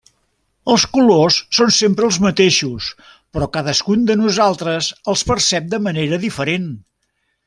Els colors són sempre els mateixos, però cadascun de nosaltres els percep de manera diferent.